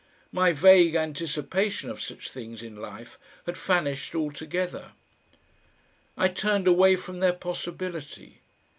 My vague anticipation of such things in life had vanished altogether. I turned away from their possibility.